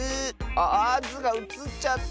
ああっ「ズ」がうつっちゃった。